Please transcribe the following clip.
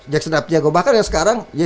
jackson abdiago bahkan yang sekarang